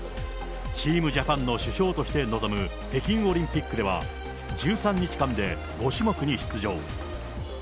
チームジャパンの主将として臨む北京オリンピックでは、１３日間で５種目に出場。